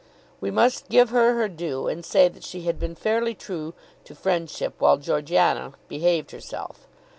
We must give her her due and say that she had been fairly true to friendship while Georgiana behaved herself.